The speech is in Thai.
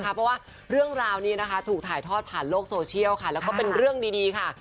เพราะว่าเรื่องราวนี้นะคะถูกถ่ายทอดผ่านโลกโซเชียลค่ะแล้วก็เป็นเรื่องดีค่ะ